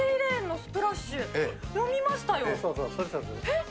えっ？